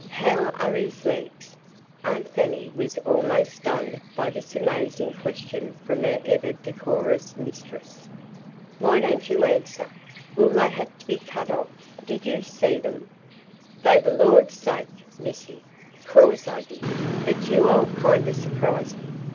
How are his legs?" Aunt Fanny was almost stunned by this amazing question from her ever decorous mistress. "Why don't you answer? Will they have to be cut off? Didn't you see them?" "Fo' de Lawd's sake, missy, co'se Ah did, but yo' all kindeh susprise me.